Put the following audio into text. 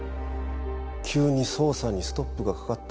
急に捜査にストップがかかった。